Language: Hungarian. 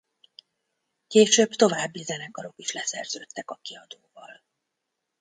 Később további zenekarok is leszerződtek a kiadóval.